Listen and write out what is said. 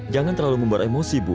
jangan terlalu membuat emosi bu